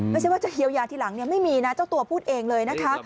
ไม่ใช่ว่าจะเยียวยาทีหลังไม่มีนะเจ้าตัวพูดเองเลยนะคะ